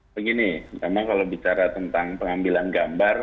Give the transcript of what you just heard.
begini memang kalau bicara tentang pengambilan gambar